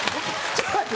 ちょっと待って！